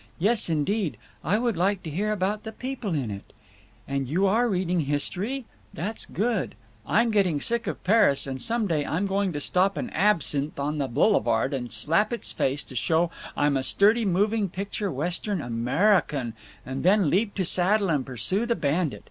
Yes indeed I would like to hear about the people in it. And you are reading history? That's good. I'm getting sick of Paris and some day I'm going to stop an absinthe on the boulevard and slap its face to show I'm a sturdy moving picture Western Amurrican and then leap to saddle and pursue the bandit.